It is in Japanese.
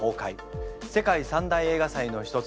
世界三大映画祭の一つ